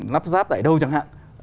lắp ráp tại đâu chẳng hạn